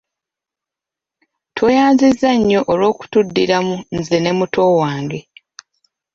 Tweyanzizza nnyo olw'okutuddiramu nze ne muto wange.